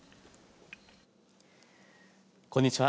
こんにちは。